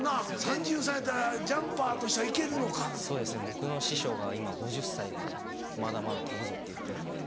僕の師匠が今５０歳でまだまだ飛ぶぞって言ってるので。